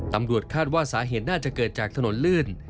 ตำรวจคาดว่าสาเหตุน่าจะเกิดจากถนนลื่น